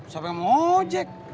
siapa yang mau ngojek